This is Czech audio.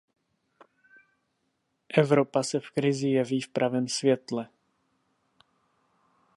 Evropa se v krizi jeví v pravém světle.